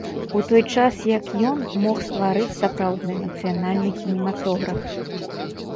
У той час як ён мог стварыць сапраўдны нацыянальны кінематограф.